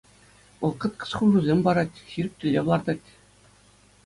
Вӑл кӑткӑс хушусем парать, ҫирӗп тӗллев лартать.